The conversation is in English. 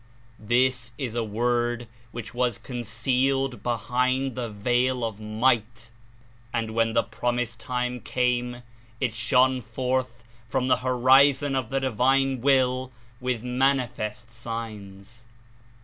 This is a Word which was con cealed behind the veil of Might, and when the prom ised time came it shone forth from the horizon of the (Divine) Will with manifest signs."